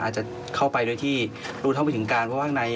อาจจะเข้าไปด้วยที่รู้ทั้งวิถึงการ